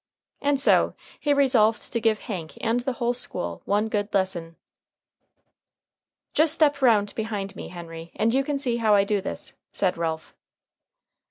And so he resolved to give Hank and the whole school one good lesson. "Just step round behind me, Henry, and you can see how I do this," said Ralph.